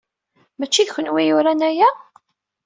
Mačči d kenwi i yuran aya?